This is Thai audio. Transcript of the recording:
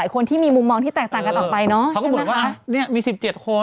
ยี่สิบคนครับ